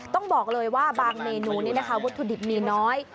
ต้องบอกเลยว่าบางเมนูนี้นะคะวัตถุดิบมีน้อย